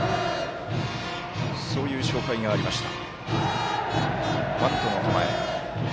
そういう紹介がありました。